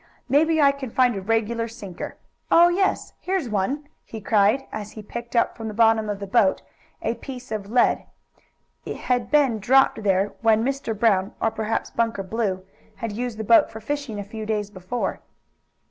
Maybe I can find a regular sinker. Oh, yes, here's one!" he cried, as he picked up from the bottom of the boat a piece of lead. It had been dropped there when Mr. Brown, or perhaps Bunker Blue, had used the boat for fishing a few days before.